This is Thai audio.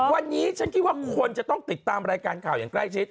วันนี้ฉันคิดว่าคนจะต้องติดตามรายการข่าวอย่างใกล้ชิด